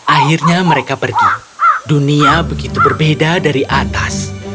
akhirnya mereka pergi dunia begitu berbeda dari atas